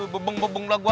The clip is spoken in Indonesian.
bebong bebong lah gua